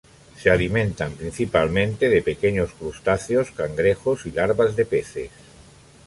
Se alimentan principalmente de pequeños crustáceos, cangrejos y larvas de peces.